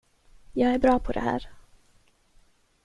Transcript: Jag är bra på det här.